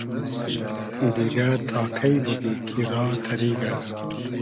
دیگۂ تا کݷ بوگی کی را تئریگۂ